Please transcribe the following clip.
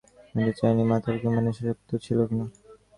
জানতে চাইনি ও মাতাল কিংবা নেশাসক্ত ছিল কিনা।